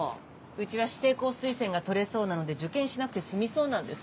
うちは指定校推薦が取れそうなので受験しなくて済みそうなんです。